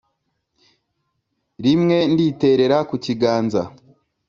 rimwe nditerera ku kiganza,